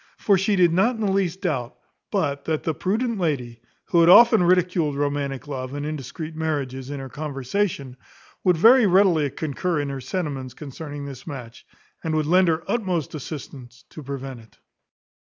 For she did not in the least doubt, but that the prudent lady, who had often ridiculed romantic love, and indiscreet marriages, in her conversation, would very readily concur in her sentiments concerning this match, and would lend her utmost assistance to prevent it.